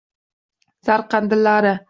Zar qandillari.